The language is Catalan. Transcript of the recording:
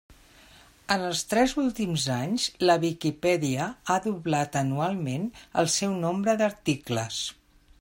En els tres últims anys la Viquipèdia ha doblat anualment el seu nombre d'articles.